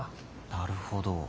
なるほど。